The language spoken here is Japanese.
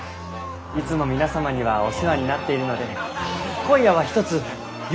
いつも皆様にはお世話になっているので今夜はひとつ愉快に騒いでいただこうかと。